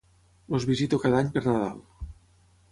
Els visito cada any per Nadal.